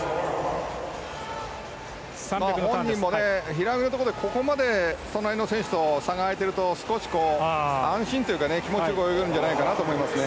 ご本人も平泳ぎのところでここまで隣の選手と差が開いていると少し安心というか気持ち良く泳げるんじゃないかと思いますね。